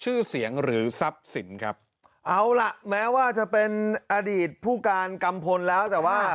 ชื่อเสียงหรือทรัพย์สินครับเอาล่ะแม้ว่าจะเป็นอดีตผู้การกัมพลแล้วแต่ว่า